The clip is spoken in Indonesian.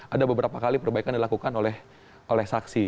ada beberapa kali perbaikan dilakukan oleh saksi